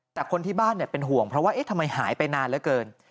แต่คนที่บ้านเป็นห่วงเพราะว่าทำไมหายไปนานเหลือเกิน